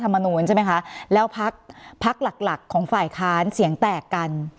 มูลใช่ไหมคะแล้วพักพักหลักหลักของฝ่ายค้านเสียงแตกกัน